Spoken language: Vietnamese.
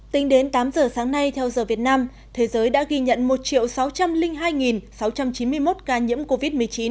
tính đến tám giờ sáng nay theo giờ việt nam thế giới đã ghi nhận một sáu trăm linh hai sáu trăm chín mươi một ca nhiễm covid một mươi chín